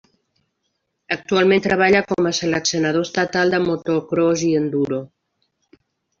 Actualment treballa com a seleccionador estatal de motocròs i enduro.